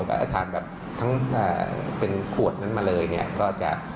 ถ้าทานแบบทั้งเป็นขวดนั้นมาเลยเนี่ยก็จะ